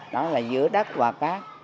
đó là giữa đất và cát